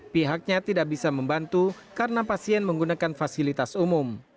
pihaknya tidak bisa membantu karena pasien menggunakan fasilitas umum